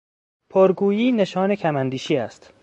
پرگویی نشان کم اندیشی است.